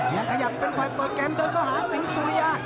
ยังขยับเป็นฝ่ายเปิดเกมเดินเข้าหาสิงสุริยา